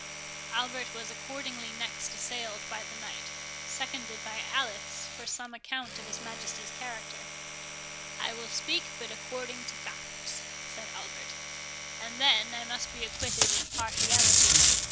Albert was accordingly next assailed by the Knight, seconded by Alice, for some account of his Majesty's character. "I will speak but according to facts," said Albert; "and then I must be acquitted of partiality.